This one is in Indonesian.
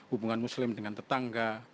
hubungan muslim dengan tetangga